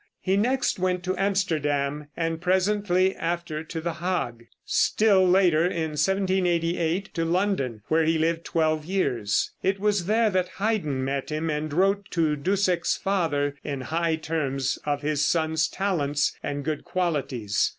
He next went to Amsterdam, and presently after to the Hague, still later, in 1788, to London, where he lived twelve years. It was there that Haydn met him, and wrote to Dussek's father in high terms of his son's talents and good qualities.